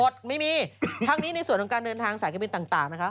ไม่มีทั้งนี้ในส่วนของการเดินทางสายการบินต่างนะครับ